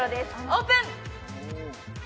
オープン！